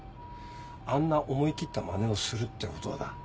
あんな思い切ったまねをするってことはだ